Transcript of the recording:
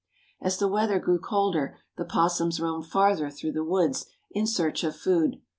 As the weather grew colder the opossums roamed farther through the woods in search of food.